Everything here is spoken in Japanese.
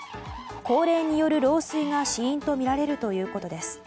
高齢による老衰が死因とみられるということです。